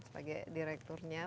dan juga direkturnya